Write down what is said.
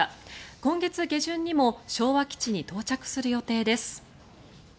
今月下旬にも昭和基地に到着する予定です。